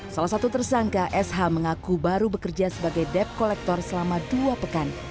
salah satu tersangka sh mengaku baru bekerja sebagai debt collector selama dua pekan